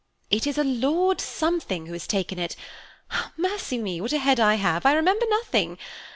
"It is a Lord Something who has taken it. Mercy me, what a head I have, I remember nothing!